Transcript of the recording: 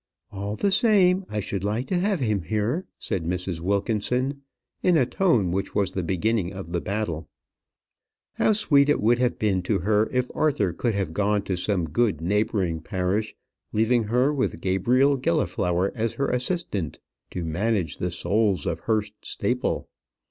"All the same; I should like to have him here," said Mrs. Wilkinson, in a tone which was the beginning of the battle. How sweet it would have been to her if Arthur could have gone to some good neighbouring parish, leaving her, with Gabriel Gilliflower as her assistant, to manage the souls of Hurst Staple!